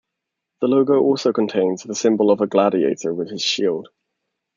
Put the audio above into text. The logo also contains the symbol of the Gladiator with his shield.